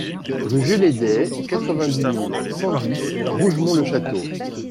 Rue Jules Heidet, quatre-vingt-dix mille cent dix Rougemont-le-Château